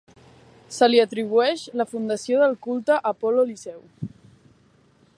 Se li atribueix la fundació del culte a Apol·lo Liceu.